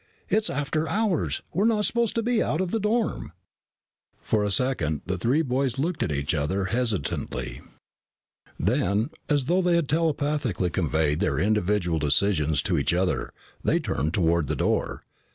"It's after hours. We're not supposed to be out of the dorm." For a second the three boys looked at each other hesitantly. Then, as though they had telepathically conveyed their individual decisions to each other, they turned toward the door.